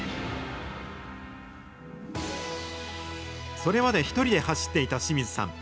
それまで１人で走っていた志水さん。